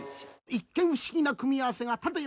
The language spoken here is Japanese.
一見不思議な組み合わせが。